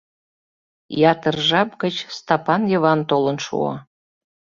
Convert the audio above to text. Ятыр жап гыч Стапан Йыван толын шуо.